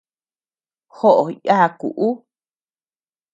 Joʼó yàaku ú.